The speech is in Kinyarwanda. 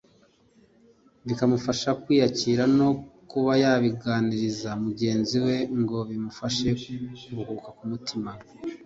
bikamufasha kwiyakira no kuba yabiganiriza mugenzi we ngo bimufashe kuruhuka ku mutima